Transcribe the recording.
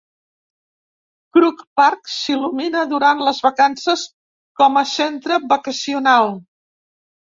Krug Park "s'il·lumina" durant les vacances com a centre vacacional.